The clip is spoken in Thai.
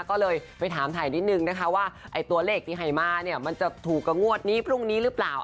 ก็เลยไปถามไถ่นิดนิดนึงนะคะว่าตัวเลขนี้ไฮมาร์มันจะถูกกับงวดนี้เมื่อกรุ่งนี้หรือเปล่า